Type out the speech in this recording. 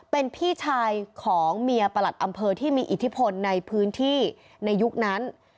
เป็นพี่ชายของเมียประหลัดอำเภอที่มีอิทธิพลในพื้นที่ในยุคนั้น